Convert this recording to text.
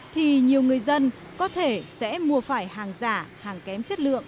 thì nhiều người dân có thể sẽ mua phải hàng giả hàng kém